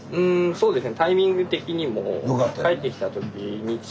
そうですね。